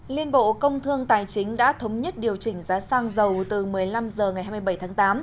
liên bộ công thương tài chính đã thống nhất điều chỉnh giá xăng dầu từ một mươi năm h ngày hai mươi bảy tháng tám